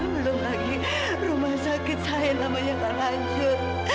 belum lagi rumah sakit saya namanya akan lanjut